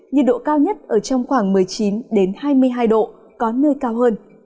nhiệt độ cao nhất ở trong khoảng một mươi chín hai mươi hai độ có nơi cao hơn